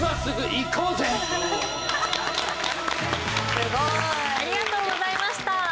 すごい。ありがとうございました。